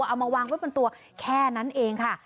เอามาวางไว้บนตัวแค่นั้นเองค่ะ